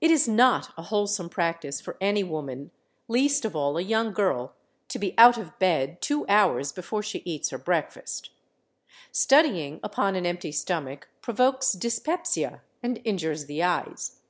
It is not a wholesome practice for any woman—least of all a young girl to be out of bed two hours before she eats her breakfast. Studying upon an empty stomach provokes dyspepsia and injures the eyes.